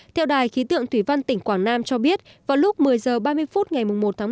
theo đài khí tượng thủy văn tỉnh quảng nam cho biết vào lúc một mươi h ba mươi phút ngày một một mươi